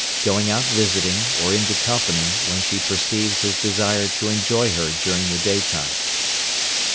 Going out visiting, or into company, when she perceives his desire to enjoy her during the day time.